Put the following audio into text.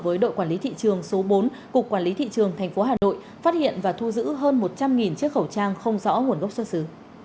với đội quản lý thị trường số bốn cục quản lý thị trường tp hà nội phát hiện và thu giữ hơn một trăm linh chiếc khẩu trang không rõ nguồn gốc xuất xứ